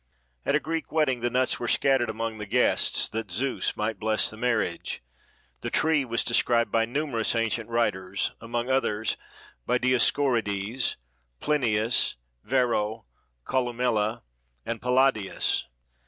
At a Greek wedding the nuts were scattered among the guests that Zeus might bless the marriage. The tree was described by numerous ancient writers, among others by Dioscorides, Plinius, Varro, Columella, and Palladius.